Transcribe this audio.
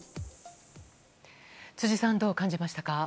辻さん、どう感じましたか？